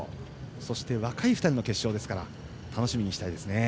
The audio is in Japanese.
そして若い２人の決勝ですから楽しみにしたいですね。